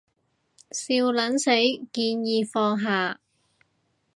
笑撚死，建議放下